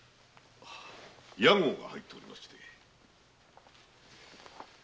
屋号が入っております。